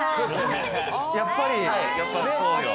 やっぱり！